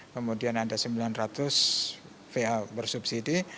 kemudian ada sembilan ratus va bersubsidi